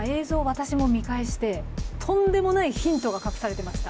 私も見返してとんでもないヒントが隠されてました。